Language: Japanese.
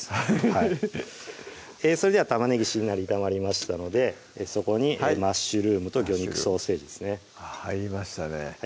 はいそれでは玉ねぎしんなり炒まりましたのでそこにマッシュルームと魚肉ソーセージですね入りましたね